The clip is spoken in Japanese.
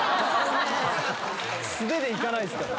素手でいかないですから。